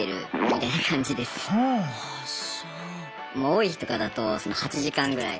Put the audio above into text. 多い日とかだと８時間ぐらい。